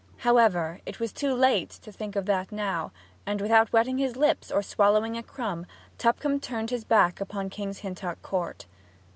However, it was too late to think of that now, and without wetting his lips or swallowing a crumb, Tupcombe turned his back upon King's Hintock Court.